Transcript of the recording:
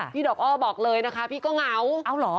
ดอกอ้อบอกเลยนะคะพี่ก็เหงาเอาเหรอ